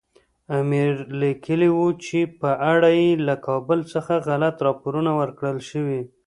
امیر لیکلي وو چې په اړه یې له کابل څخه غلط راپورونه ورکړل شوي.